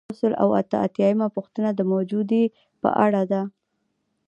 یو سل او اته اتیایمه پوښتنه د موجودیې په اړه ده.